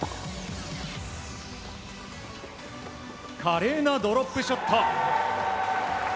華麗なドロップショット。